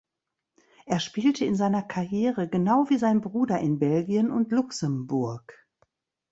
Er spielte in seiner Karriere genau wie sein Bruder in Belgien und Luxemburg.